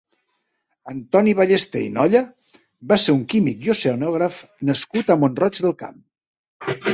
Antoni Ballester i Nolla va ser un químic i oceanògraf nascut a Mont-roig del Camp.